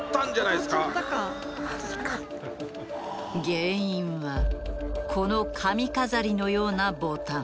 原因はこの髪飾りのようなボタン。